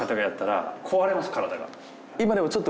今でも。